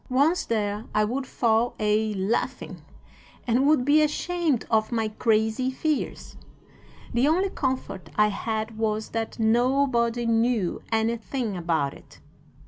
"'Once there I would fall a laughing, and would be ashamed of my crazy fears. The only comfort I had was that nobody knew anything about it.